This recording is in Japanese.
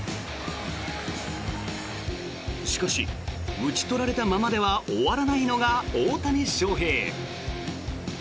しかし、打ち取られたままでは終わらないのが大谷翔平。